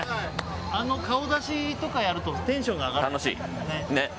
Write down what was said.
あの顔出しとかやるとテンションが上がる。